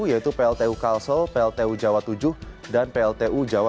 yaitu pltu kalsel pltu jawa tujuh dan pltu jawa